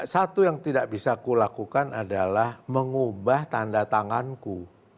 satu yang tidak bisa kulakukan adalah mengubah tanda tanganku